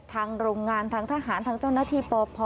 โรงงานทางทหารทางเจ้าหน้าที่ปพ